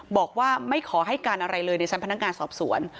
บอกว่าไม่ขอให้การอะไรเลยในชั้นพนักงานสอบสวน